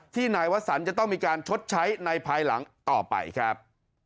นายวสันจะต้องมีการชดใช้ในภายหลังต่อไปครับ